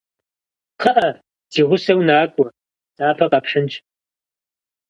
Кхъыӏэ, си гъусэу накӏуэ, псапэ къэпхьынщ.